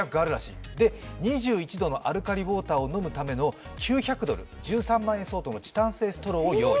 ２１度のアルカリウォーターを飲むための、９００ドル１３万円相当のチタン製ストローを用意。